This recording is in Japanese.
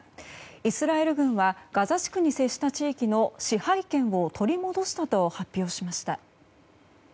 イスラエル軍はガザ地区に接した地域の支配権を取り戻したと発表しました。